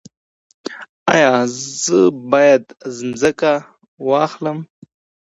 ایا زه باید ځمکه واخلم؟